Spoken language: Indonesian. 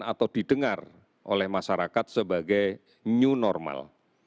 atau didengar oleh masyarakat sebagai new normal